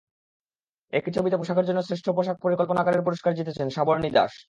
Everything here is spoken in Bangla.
একই ছবিতে পোশাকের জন্য শ্রেষ্ঠ পোশাক পরিকল্পনাকারীর পুরস্কার জিতেছেন সাবর্ণী দাস।